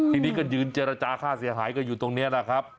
ทีนี้ก็ยืนเจรจาค่าเสียหายกันอยู่ตรงนี้แหละครับ